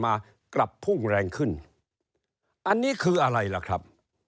อันนี้คืออะไรล่ะครับ